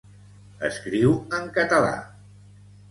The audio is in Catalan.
Escriu en català.